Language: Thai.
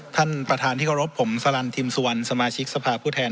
ท่านประธานที่เคารพผมสลันทิมสุวรรณสมาชิกสภาพผู้แทน